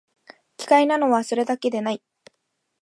奇怪なのは、それだけでない